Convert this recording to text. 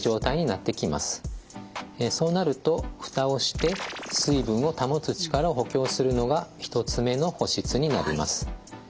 そうなると蓋をして水分を保つ力を補強するのが１つ目の保湿になります。